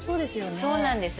そうなんです